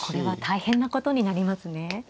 これは大変なことになりますね。